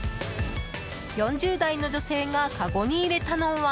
４０代の女性がかごに入れたのは。